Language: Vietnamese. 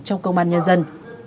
trong công an nhân dân